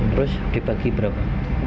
terus dibagi berapa